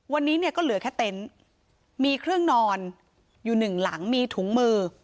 วันนี้เนี่ยก็เหลือแค่เต็นต์มีเครื่องนอนอยู่หนึ่งหลังมีถุงมือ